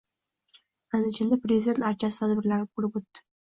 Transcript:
Andijonda "Prezident archasi" tadbirlari bo‘lib o‘tdi